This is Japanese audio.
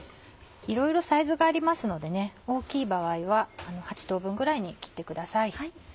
いろいろサイズがありますので大きい場合は８等分ぐらいに切ってください。